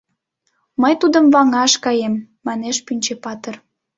Мый тудым ваҥаш каем, — манеш Пӱнчӧ-патыр.